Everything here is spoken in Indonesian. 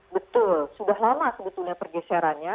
betul sudah lama sebetulnya pergeserannya